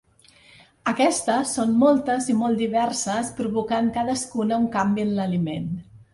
Aquestes són moltes i molt diverses provocant cadascuna un canvi en l'aliment.